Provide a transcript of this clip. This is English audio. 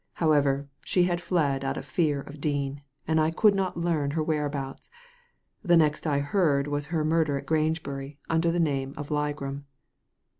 However, she had fled out of fear of Dean, and I could not learn her where abouts. The next I heard was her murder at Grange bury under the name of Ligram."